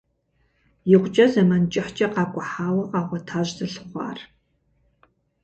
Икъукӏэ зэмэн кӏыхькӏэ къакӏухьауэ къагъуэтащ зылъыхъуар.